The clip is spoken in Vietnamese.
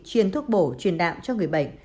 truyền thuốc bổ truyền đạm cho người bệnh